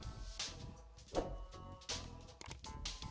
dinerima dari kak fiana